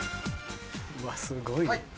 うわすごい。